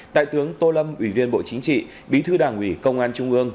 đại tướng tô lâm ủy viên bộ chính trị bí thư đảng ủy công an trung ương